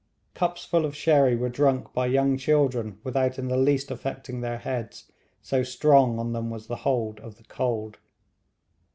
Cups full of sherry were drunk by young children without in the least affecting their heads, so strong on them was the hold of the cold.